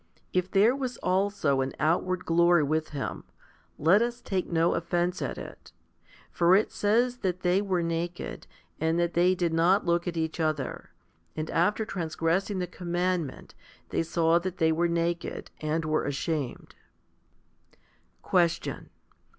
If there was also an outward glory with him, let us take no offence at it ; for it says that they were naked, and that they did not look at each other ; and after transgressing the commandment they saw that they were naked, and were ashamed, 8. Question.